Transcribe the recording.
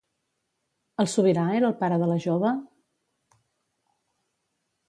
El sobirà era el pare de la jove?